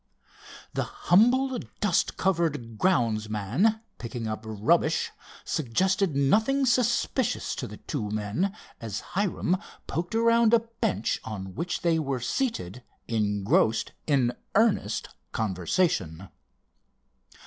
The humble, dust covered grounds man picking up rubbish, suggested nothing suspicious to the two men, as Hiram poked around a bench on which they were seated engrossed in earnest conversation.